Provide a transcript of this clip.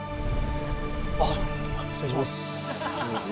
あっ失礼します。